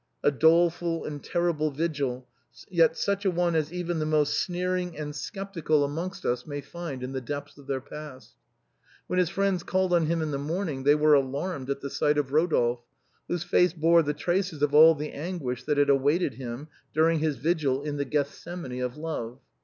A doleful and terrible vigil, yet such a one as even the most sneering and skeptical amongst us may find in the depths of their past. When his friends called on him in the morning they were alarmed at the sight of Rodolphe, whose face bore the traces of all the anguish that had awaited him during his vigil in the Gethsemane of love.